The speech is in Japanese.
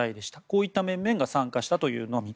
こういった面々が参加したのみ。